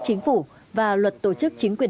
chính phủ và luật tổ chức chính quyền